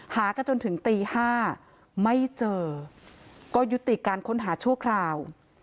หากันจนถึงตี๕ไม่เจอก็ยุติการค้นหาชั่วคราว